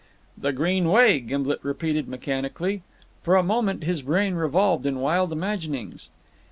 "The Green Way," Gimblet repeated mechanically. For a moment his brain revolved with wild imaginings.